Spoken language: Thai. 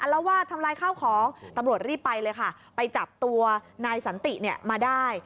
ละวาดทำลายข้าวของตำรวจรีบไปเลยค่ะไปจับตัวนายสันติเนี่ยมาได้